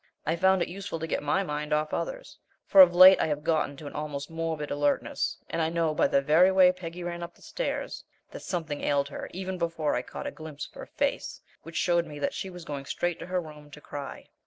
I found it useful to get my mind off others, for of late I have gotten to an almost morbid alertness, and I know by the very way Peggy ran up the stairs that something ailed her even before I caught a glimpse of her face, which showed me that she was going straight to her room to cry.